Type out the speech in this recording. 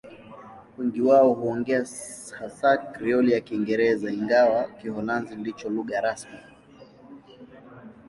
Wengi wao huongea hasa Krioli ya Kiingereza, ingawa Kiholanzi ndicho lugha rasmi.